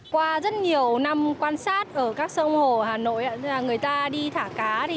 qua rất nhiều năm quan sát ở các sông hồ hà nội người ta đi thả cá